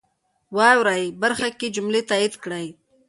واورئ برخه کې جملې تایید کړئ.